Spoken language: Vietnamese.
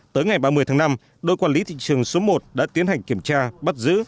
tới ngày ba mươi tháng năm đội quản lý thị trường số một đã tiến hành kiểm tra bắt giữ